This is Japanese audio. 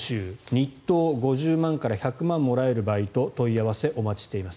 日当５０万から１００万もらえるバイト問い合わせ、お待ちしています。